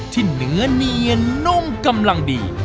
ที่เนื้อเนียนนุ่มกำลังดี